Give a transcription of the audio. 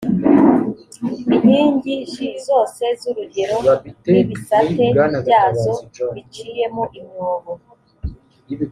inkingi j zose z urugo n ibisate byazo biciyemo imyobo